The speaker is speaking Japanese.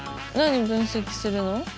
何分析するの？